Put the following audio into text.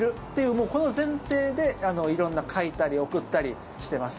もうこの前提で、色んな書いたり送ったりしてます。